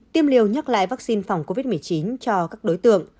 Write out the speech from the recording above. tiêm liều nhắc lại vaccine phòng covid một mươi chín cho các đối tượng